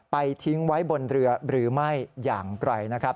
ทิ้งไว้บนเรือหรือไม่อย่างไรนะครับ